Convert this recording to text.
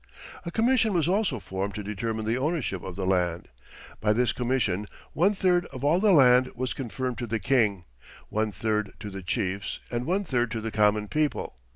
A commission was also formed to determine the ownership of the land. By this commission one third of all the land was confirmed to the King, one third to the chiefs, and one third to the common people.